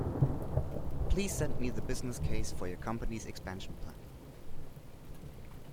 Please send me the business case for your company’s expansion plan